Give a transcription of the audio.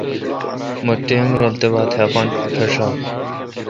مہ ٹائم سہ تہ باتھ اپان پݭام۔